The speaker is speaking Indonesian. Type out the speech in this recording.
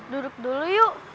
duduk dulu yuk